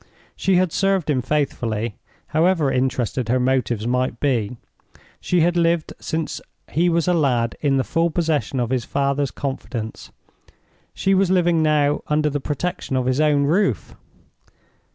She had served him faithfully, however interested her motives might be—she had lived since he was a lad in the full possession of his father's confidence—she was living now under the protection of his own roof.